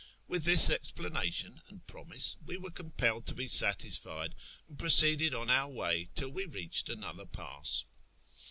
With this explanation and promise we were compelled to be satis fied, and proceeded on our way till we reached another pass.